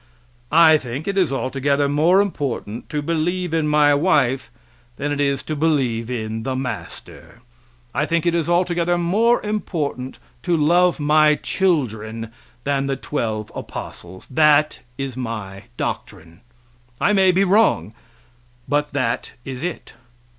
I think it is altogether more important to believe in my wife than it is to believe in the master; I think it is altogether more important to love my children than the twelve apostles that is my doctrine. I may be wrong, but that is it.